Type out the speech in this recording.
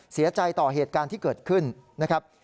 เสียใจต่อเหตุการณ์ที่เกิดขึ้นนะครับ